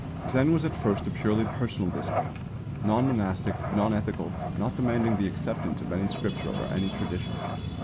Zen was at first a purely personal discipline, non monastic, non ethical, not demanding the acceptance of any Scripture or any tradition.